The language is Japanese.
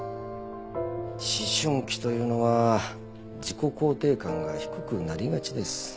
思春期というのは自己肯定感が低くなりがちです。